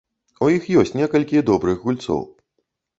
У іх ёсць некалькі добрых гульцоў.